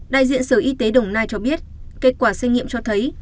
đại diện sở y tế đồng nai cho biết kết quả xét nghiệm cho thấy